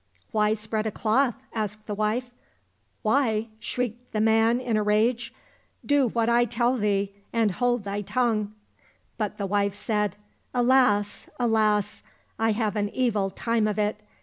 —" Why spread a cloth ?" asked the wife.—" Why ?" shrieked the man in a rage ; "do what I tell thee, and hold thy tongue." — But the wife said, " Alas, alas ! I have an evil time of it.